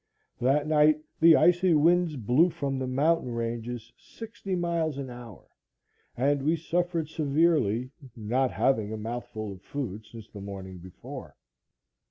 That night the icy winds blew from the mountain ranges sixty miles an hour, and we suffered severely, not having a mouthful of food since the morning before.